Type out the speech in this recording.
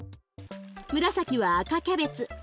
紫は赤キャベツ。